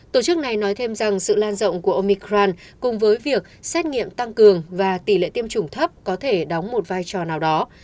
tổ chức này nói thêm rằng sự lan rộng của omicran cùng với việc xét nghiệm tăng cường và tỷ lệ tiêm chủng thấp có thể đóng một vai trò nào đó